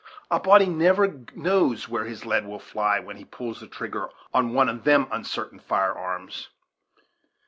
A body never knows where his lead will fly, when he pulls the trigger of one of them uncertain firearms."